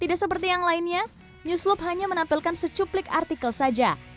tidak seperti yang lainnya newslup hanya menampilkan secuplik artikel saja